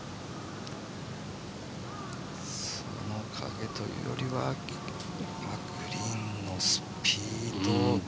その影というよりはグリーンのスピードでしょうかね。